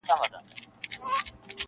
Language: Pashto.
له ظالم څخه به څنگه په امان سم-